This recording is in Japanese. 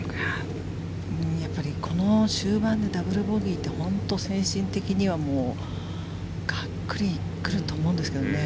やっぱりこの終盤でダブルボギーって本当に精神的にはがっくり来ると思うんですけど。